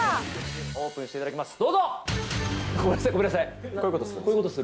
オープンしていただきます。